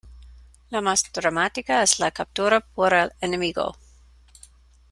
La más dramática es la captura por el enemigo.